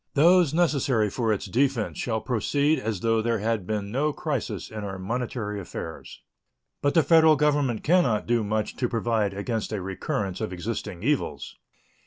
Those necessary for its defense shall proceed as though there had been no crisis in our monetary affairs. But the Federal Government can not do much to provide against a recurrence of existing evils.